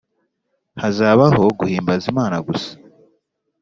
Hazabaho guhimbaza imana gusa